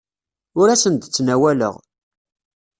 Ur asen-d-ttnawaleɣ.